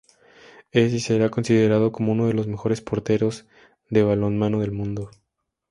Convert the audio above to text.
Es, y será, considerado como uno de los mejores porteros de balonmano del mundo.